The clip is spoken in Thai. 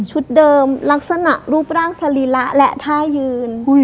เดิมลักษณะรูปร่างสรีระและท่ายืน